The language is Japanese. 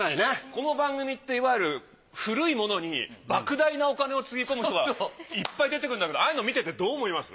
この番組っていわゆる古いものに莫大なお金をつぎ込む人がいっぱい出てくるんだけどああいうの見ててどう思います？